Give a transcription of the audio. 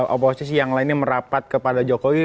oposisi yang lainnya merapat kepada jokowi